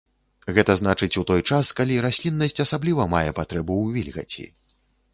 Гэта значыць у той час, калі расліннасць асабліва мае патрэбу ў вільгаці.